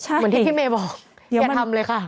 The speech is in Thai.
เหมือนที่พี่เมย์บอกอย่าทำเลยค่ะ